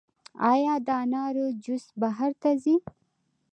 آیا د انارو جوس بهر ته ځي؟